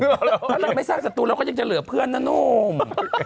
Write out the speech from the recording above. ถ้าเราไม่สร้างศัตรูเราก็ยังจะเหลือเพื่อนนะนุ่ม